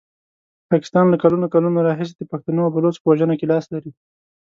پاکستان له کلونو کلونو راهیسي د پښتنو او بلوڅو په وژنه کې لاس لري.